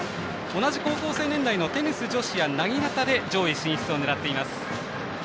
同じ高校生年代のテニス女子やなぎなたで上位進出を狙っています。